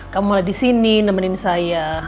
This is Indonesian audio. kamu mulai di sini nemenin saya